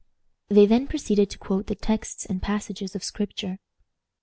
They then proceeded to quote the texts and passages of Scripture.